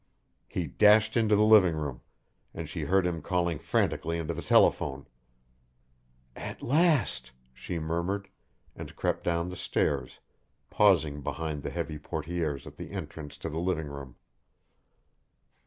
He dashed into the living room, and she heard him calling frantically into the telephone. "At last!" she murmured, and crept down the stairs, pausing behind the heavy portieres at the entrance to the living room.